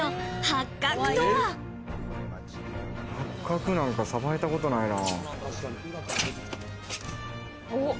ハッカクなんか、さばいたことないな。